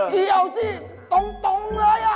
เกี่ยวสิตรงเลย